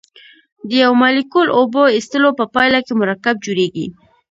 د یو مالیکول اوبو ایستلو په پایله کې مرکب جوړیږي.